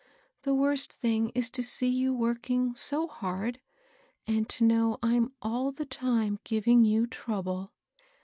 The worst thing is to see you working so hard, and to know I'm all the time giving you trouble."